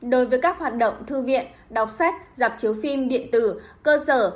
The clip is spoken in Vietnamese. đối với các hoạt động thư viện đọc sách giảm chiếu phim điện tử cơ sở